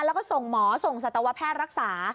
แล้วก็ส่งหมอส่งสัตวแพทย์รักษา